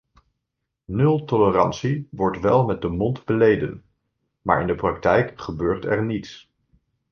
Nultolerantie wordt wel met de mond beleden, maar in de praktijk gebeurt er niets.